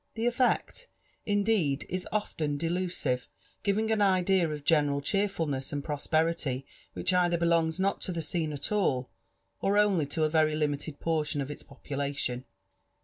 The effect, indeed, is often delusive, giving an idea of general cheerfulness and prosperity which either belongs not to the scene at all, or only to a very limited portion of Its populalioD.